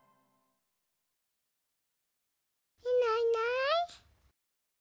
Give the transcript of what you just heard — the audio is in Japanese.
いないいない。